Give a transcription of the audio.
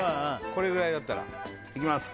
これぐらいだったらいきます